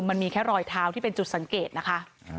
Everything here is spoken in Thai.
มันมีแค่รอยเท้าที่เป็นจุดสังเกตนะคะ